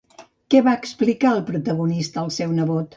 Què va explicar el protagonista al seu nebot?